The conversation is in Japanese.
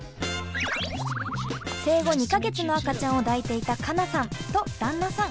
生後２か月の赤ちゃんを抱いていた加菜さんと旦那さん。